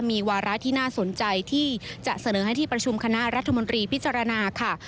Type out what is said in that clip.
มีวาระที่น่าสนใจที่จะเสนอให้ที่ประชุมคณะรัฐมนตรีพิจารณาค่ะ